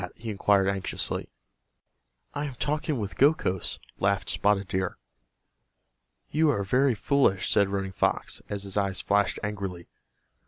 he inquired, anxiously. "I am talking with Gokhos," laughed Spotted Deer. "You are very foolish," said Running Fox, as his eyes flashed angrily.